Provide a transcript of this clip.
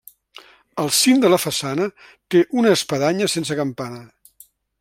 Al cim de la façana, té una espadanya sense campana.